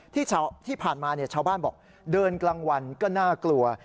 ที่ผ่านมาชาวบ้านบอกเดินกลางวันก็น่ากลัว